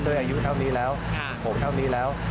อายุเท่านี้แล้วผมเท่านี้แล้ว